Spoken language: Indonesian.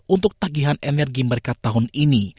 untuk tagihan energi mereka tahun ini